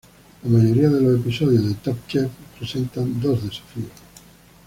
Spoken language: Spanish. La mayoría de los episodios de "Top Chef" presentan dos desafíos.